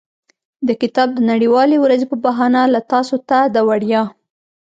د کتاب د نړیوالې ورځې په بهانه له تاسو ته د وړیا.